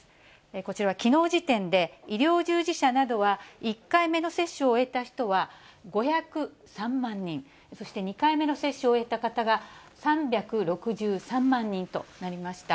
こちらはきのう時点で、医療従事者などは、１回目の接種を終えた人は５０３万人、そして、２回目の接種を終えた方が３６３万人となりました。